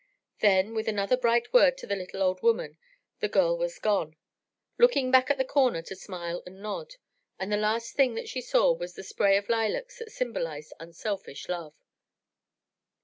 Then, with another bright word to the little old woman, the girl was gone, looking back at the corner to smile and nod, and the last thing that she saw was the spray of lilacs that symbolized unselfish love.